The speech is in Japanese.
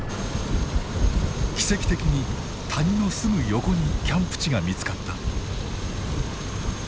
奇跡的に谷のすぐ横にキャンプ地が見つかった。